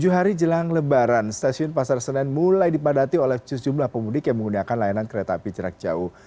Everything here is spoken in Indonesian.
tujuh hari jelang lebaran stasiun pasar senen mulai dipadati oleh sejumlah pemudik yang menggunakan layanan kereta api jarak jauh